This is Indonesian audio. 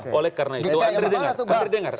boleh karena itu andre dengar andre dengar